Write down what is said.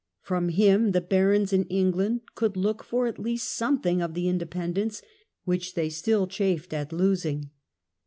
From him the barons in England could look for at least something of the independence which they still chafed at losing.